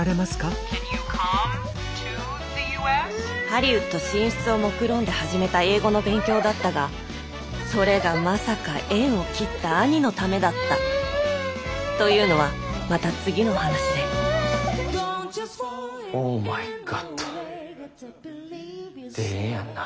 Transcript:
ハリウッド進出をもくろんで始めた英語の勉強だったがそれがまさか縁を切った兄のためだったオーマイガットでええやんな？